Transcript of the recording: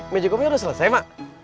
meja gue udah selesai ma